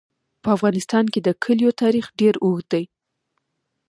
په افغانستان کې د کلیو تاریخ ډېر اوږد دی.